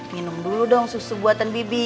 minum dulu dong susu buatan bibi